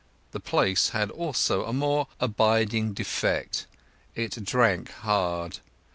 The place had also a more abiding defect; it drank hard.